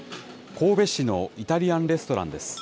神戸市のイタリアンレストランです。